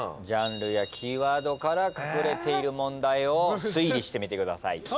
ジャンルやキーワードから隠れている問題を推理してみてください。